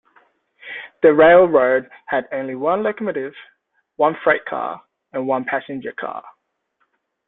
The railroad had only one locomotive, one freight car, and one passenger car.